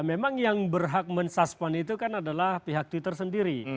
memang yang berhak mensuspend itu kan adalah pihak twitter sendiri